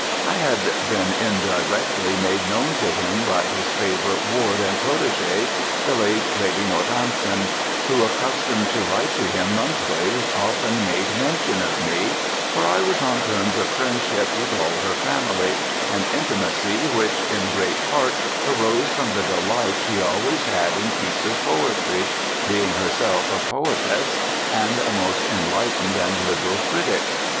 I had been indirectly made known to him by his favorite ward and prot├®g├®e, the late Lady Northampton, who, accustomed to write to him monthly, often made mention of me; for I was on terms of friendship with all her family, an intimacy which in great part arose from the delight she always had in Keats's poetry, being herself a poetess, and a most enlightened and liberal critic.